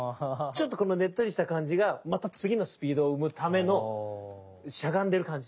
ちょっとこのねっとりした感じがまた次のスピードを生むためのしゃがんでる感じ。